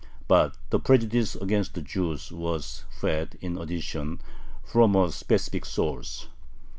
But the prejudice against the Jews was fed, in addition, from a specific source.